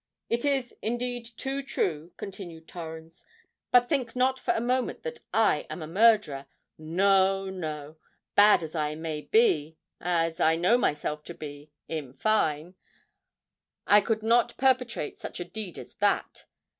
"It is indeed too true," continued Torrens: "but think not for a moment that I am a murderer! No—no; bad as I may be—as I know myself to be, in fine—I could not perpetrate such a deed as that.